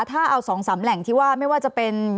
ถ้าเอา๒๓แหล่งที่ว่าไม่ว่าจะเป็น